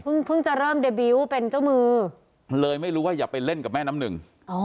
เพิ่งจะเริ่มเดบิวต์เป็นเจ้ามือเลยไม่รู้ว่าอย่าไปเล่นกับแม่น้ำหนึ่งอ๋อ